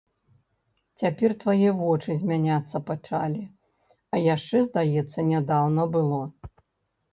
Цяпер твае вочы змяняцца пачалі, а яшчэ, здаецца, нядаўна было!